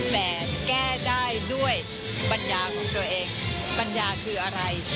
แต่แก้ได้ด้วยปัญญาของตัวเองปัญญาคืออะไร